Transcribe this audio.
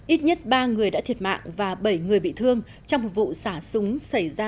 ít nhất ba người đã thiệt mạng và bảy người bị thương trong một vụ xả súng xảy ra